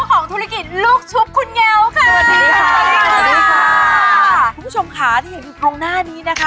คุณผู้ชมขาที่อยู่ตรงหน้านี้นะคะ